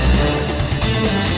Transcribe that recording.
lo sudah bisa berhenti